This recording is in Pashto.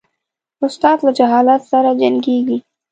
استاد له جهالت سره جنګیږي.